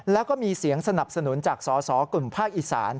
แล้วก็มีเสียงสนับสนุนจากสสกลุ่มภาคอีสาน